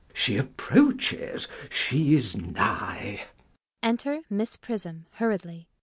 ] She approaches; she is nigh. [Enter Miss Prism hurriedly.